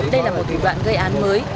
đây là một thủ đoạn gây án mới